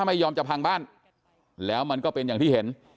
ไม่ยอมจะพังบ้านแล้วมันก็เป็นอย่างที่เห็น